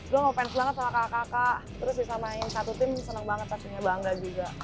gue mau fans banget sama kakak kakak terus bisa main satu tim seneng banget pastinya bangga juga